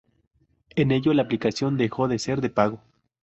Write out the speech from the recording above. En ello la aplicación dejó de ser de pago.